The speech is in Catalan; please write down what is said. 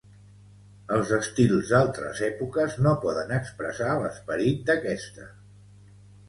Els estils d'altres èpoques no poden expressar l'esperit d'aquesta.